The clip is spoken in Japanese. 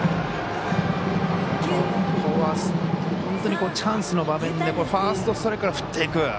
本当にチャンスの場面でファーストストライクから振っていく。